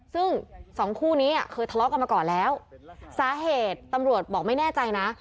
ซึ่งสองคู่นี้อ่ะเคยทะเลาะกันมาก่อนแล้วสาเหตุตำรวจบอกไม่แน่ใจนะ